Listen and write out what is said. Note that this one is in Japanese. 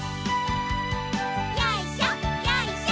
よいしょよいしょ。